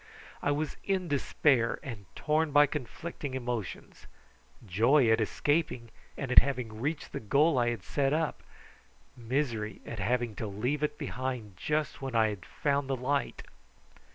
I was in despair, and torn by conflicting emotions: joy at escaping and at having reached the goal I had set up, misery at having to leave it behind just when I had found the light.